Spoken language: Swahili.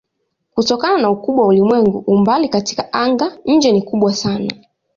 Kutokana na ukubwa wa ulimwengu umbali katika anga-nje ni kubwa sana.